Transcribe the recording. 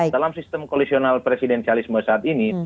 dalam sistem koalisional presidensialisme saat ini